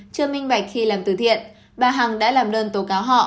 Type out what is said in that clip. chưa minh mạch khi làm từ thiện bà hằng đã làm đơn tố cáo họ